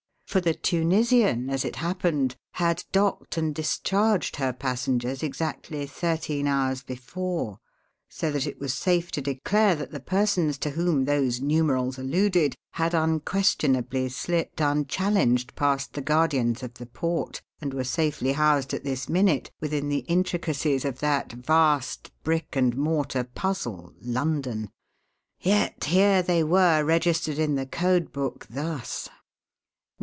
For the Tunisian, as it happened, had docked and discharged her passengers exactly thirteen hours before, so that it was safe to declare that the persons to whom those numerals alluded had unquestionably slipped unchallenged past the guardians of the port, and were safely housed at this minute within the intricacies of that vast brick and mortar puzzle, London; yet here they were registered in the Code Book, thus: "No.